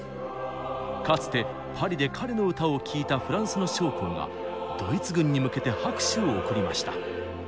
かつてパリで彼の歌を聴いたフランスの将校がドイツ軍に向けて拍手を送りました。